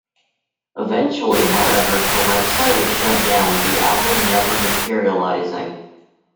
Eventually, however, her website was shut down, the album never materializing.